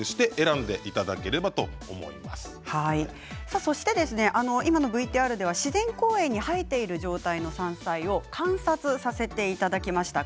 さあそして今のＶＴＲでは自然公園に生えている状態の山菜を観察させていただきました。